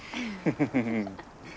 フフフフ。